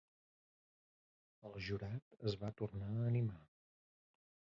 El jurat es va tornar a animar.